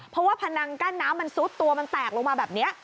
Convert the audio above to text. เพราะว่าพนังกั้นน้ำมันซุดตัวมันแตกลงมาแบบนี้